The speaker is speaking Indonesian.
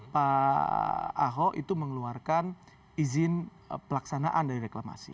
pak ahok itu mengeluarkan izin pelaksanaan dari reklamasi